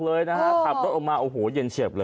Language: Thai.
เลยนะฮะขับรถออกมาโอ้โหเย็นเฉียบเลย